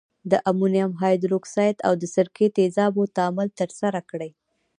د امونیم هایدورکساید او د سرکې تیزابو تعامل ترسره کړئ.